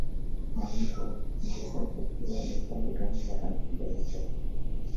Mwanamke wa kimasai akiwa amevaa urembo wa rangi mbalimbali